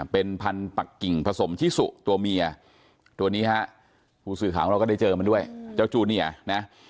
เป็นพันธุ์ปักกิ่งผสมชิสุตัวเมียตัวนี้ฮะผู้สื่อข่าวของเราก็ได้เจอมันด้วยเจ้าจูเนียนะ